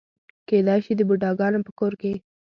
کېدای شي د بوډاګانو په کور کې.